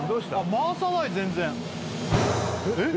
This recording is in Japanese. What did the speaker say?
回さない全然えっ？